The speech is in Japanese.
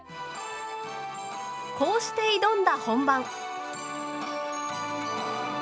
こうして挑んだ本番。